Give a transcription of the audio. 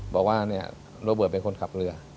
บอกว่าโลเบิร์ตเป็นคนขับเรือ